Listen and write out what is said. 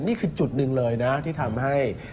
นี่คือจุดหนึ่งเลยนะที่ทำให้